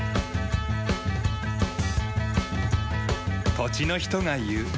土地の人が言う。